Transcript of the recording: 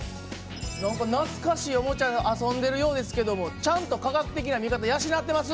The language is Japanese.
何か懐かしいおもちゃで遊んでいるようですけどもちゃんと科学的な見方養ってます？